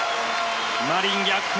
マリン、逆転。